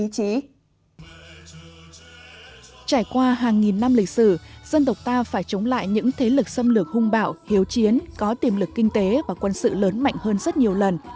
chúng ta phải chống lại những thế lực xâm lược hung bạo hiếu chiến có tiềm lực kinh tế và quân sự lớn mạnh hơn rất nhiều lần